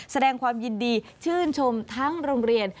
แสดงความยินดีชื่นชมทั้งโรงเรียน